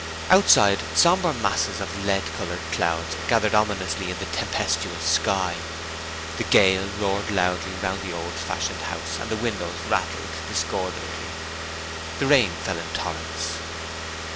Outside, sombre masses of lead coloured clouds gathered ominously in the tempestuous sky. The gale roared loudly round the old fashioned house and the windows rattled discordantly. Rain fell in torrents.